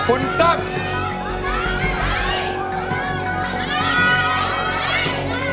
คุณตักษ์